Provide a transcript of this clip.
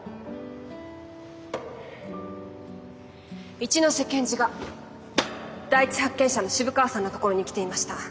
一ノ瀬検事が第一発見者の渋川さんのところに来ていました。